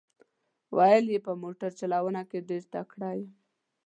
ویل یې په موټر چلونه کې ډېر تکړه یم.